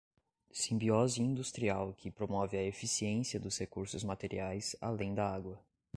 Simbiose industrial que promove a eficiência dos recursos materiais além da água.